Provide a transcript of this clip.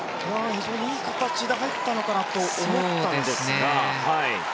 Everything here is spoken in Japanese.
非常にいい形で入ったかなと思ったんですが。